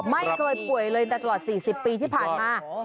ไม่เคยป่วยเลยแต่ตลอด๔๐ปีที่ผ่านมา